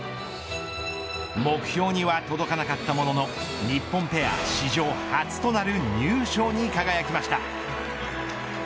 目標には届かなかったものの日本ペア史上初となる入賞に輝きました。